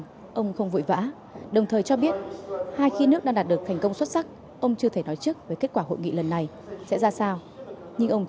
tổng thống trump nhấn mạnh